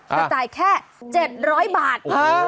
จะจ่ายแค่๗๐๐บาท